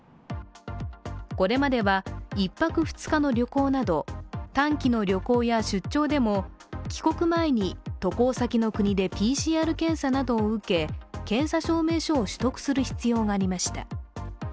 これまでは１泊２日の旅行など短期の旅行や出張でも帰国前に渡航先の国でＰＣＲ検査などを受け検査証明書を取得する必要がありました。